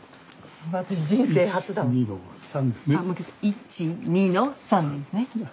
１・２の３ですね。